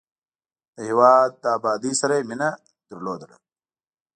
د هېواد بادۍ سره یې مینه لرله.